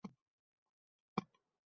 Qo‘limni sezyapsizmi?